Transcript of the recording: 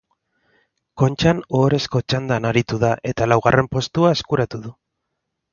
Kontxan ohorezko txandan aritu da eta laugarren postua eskuratu du.